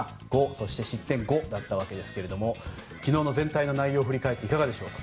そして、失点５だったわけですが昨日の全体の内容を振り返っていかがでしょう？